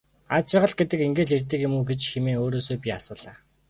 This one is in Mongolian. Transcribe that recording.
Аз жаргал гэдэг ингээд л ирдэг юм гэж үү хэмээн өөрөөсөө би асуулаа.